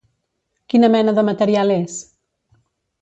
Quina mena de material és?